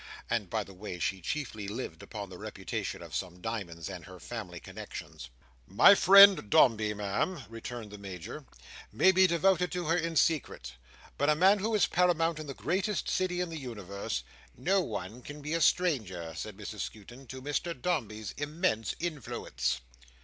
And by the way, she chiefly lived upon the reputation of some diamonds, and her family connexions. "My friend Dombey, Ma'am," returned the Major, "may be devoted to her in secret, but a man who is paramount in the greatest city in the universe—" "No one can be a stranger," said Mrs Skewton, "to Mr Dombey's immense influence."